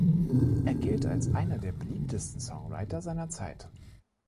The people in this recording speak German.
Er gilt als einer der beliebtesten Songwriter seiner Zeit.